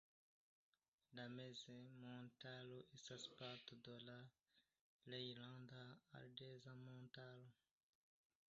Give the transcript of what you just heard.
La mezmontaro estas parto de la Rejnlanda Ardeza Montaro.